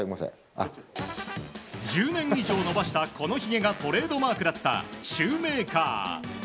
１０年以上伸ばしたこのひげがトレードマークだったシューメーカー。